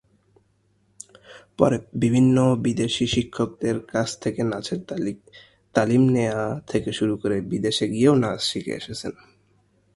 পরে বিভিন্ন বিদেশী শিক্ষকদের কাছ থেকে নাচের তালিম নেয়া থেকে শুরু করে বিদেশে গিয়েও নাচ শিখে এসেছেন।